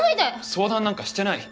相談なんかしてない。